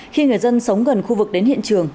khi người dân sống gần khu vực đến hiện trường